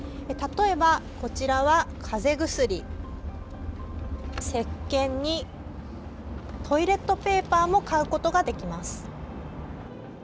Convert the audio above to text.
例えば、こちらはかぜ薬、せっけんにトイレットペーパーも買うことができます。